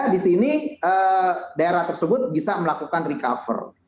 di sini daerah tersebut bisa melakukan recover